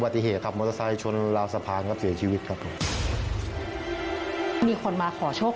มีคนมาขอโชคขอราบแล้วได้จริงด้วย